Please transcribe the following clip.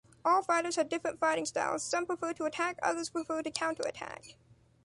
All fighters have different fighting styles, some prefer to attack, others prefer to counterattack.